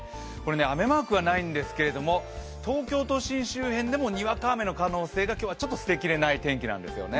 雨マークはないんですけれども、東京都心周辺でもにわか雨の可能性がちょっと捨てきれない天気なんですね。